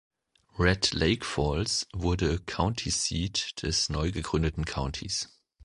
Red Lake Falls wurde County Seat des neugegründeten Countys.